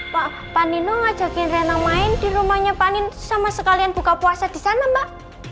p pak nino ngajakin reina main di rumahnya pak nino sama sekalian buka puasa disana mbak